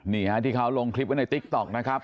นี่ฮะที่เขาลงคลิปไว้ในติ๊กต๊อกนะครับ